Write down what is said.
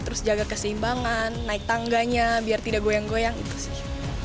terus jaga keseimbangan naik tangganya biar tidak goyang goyang gitu sih